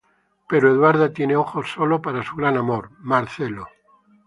Pero Eduarda tiene ojos sólo para su gran amor, Marcelo.